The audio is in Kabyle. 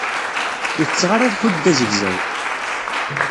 Ur tetteɣ ara lḥut d azegzaw.